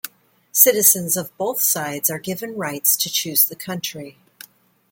Citizens of both sides are given rights to choose the country.